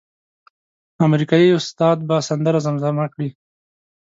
امریکایي استاد به سندره زمزمه کړي.